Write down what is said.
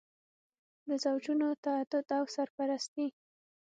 د زوجونو تعدد او سرپرستي.